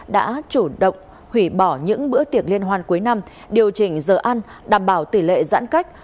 đã chủ động hủy bỏ những bữa tiệc liên hoan cuối năm điều chỉnh giờ ăn đảm bảo tỷ lệ giãn cách